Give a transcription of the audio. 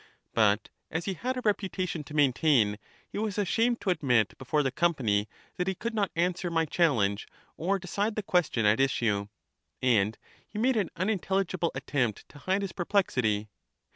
But as he had a reputation to main tain, he was ashamed to adimit before the company that he could not answer my challenge or decide the question at issue; and he made an unintelligible at tempt to hide his perplexity.